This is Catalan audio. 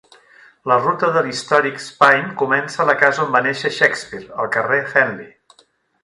La ruta de l'Historic Spine comença a la casa on va néixer Shakespeare, al carrer Henley.